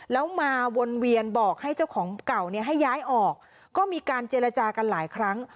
แล้วมาวนเวียนบอกให้เจ้าของเก่าเนี่ยให้ย้ายออกก็มีการเจรจากันหลายครั้ง